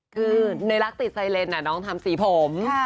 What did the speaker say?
คือในรักติดไซเลนน้องทำสีผม